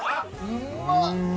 うまっ！